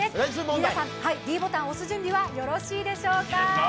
皆さん、ｄボタンを押す準備はよろしいでしょうか。